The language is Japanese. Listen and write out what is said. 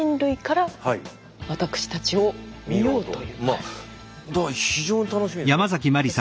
まあだから非常に楽しみですね。